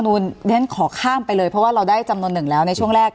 เพราะฉะนั้นขอข้ามไปเลยเพราะว่าเราได้จำนวนหนึ่งแล้วในช่วงแรก